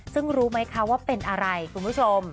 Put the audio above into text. ซึ่งรู้ไหมคะว่าเป็นอะไรคุณผู้ชม